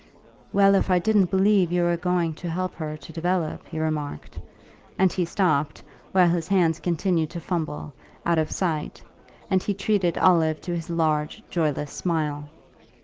"Well, if I didn't believe you were going to help her to develop," he remarked; and he stopped, while his hands continued to fumble, out of sight, and he treated Olive to his large joyless smile.